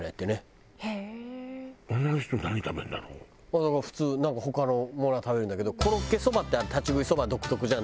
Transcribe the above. だから普通なんか他のものは食べるんだけどコロッケそばって立ち食いそば独特じゃん